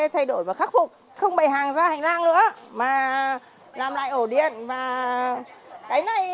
thay đổi và khắc phục không bày hàng ra hành lang nữa mà làm lại ổ điện và cái này